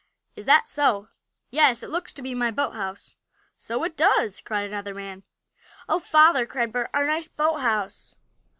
"Is that so?" "Yes, it looks to be my boathouse." "So it does!" cried another man. "Oh, father!" cried Bert. "Our nice boathouse!"